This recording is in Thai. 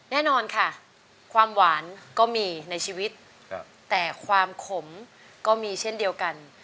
แน่นอนค่ะความหวานก็มีในชีวิตแต่ความขมก็มีเช่นเดียวกัน